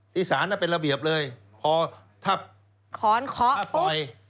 ที่ศาลน่ะเป็นระเบียบเลยพอถ้าปล่อย